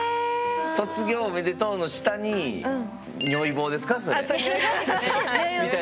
「卒業おめでとう」の下に如意棒ですねはい。